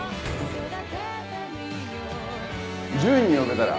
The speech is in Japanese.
１０人呼べたら。